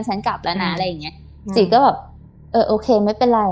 ฉันกลับแล้วนะอะไรอย่างเงี้ยจีก็แบบเออโอเคไม่เป็นไร